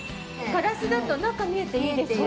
ガラスだと中見えていいですね。